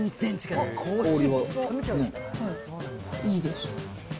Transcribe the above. いいです。